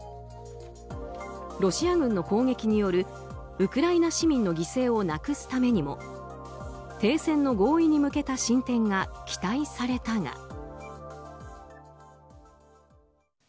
ロシア軍の攻撃によるウクライナ市民の犠牲をなくすためにも停戦の合意に向けた進展が期待されたが。